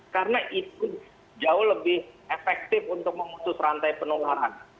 karena itu jauh lebih efektif untuk memutus rantai penularan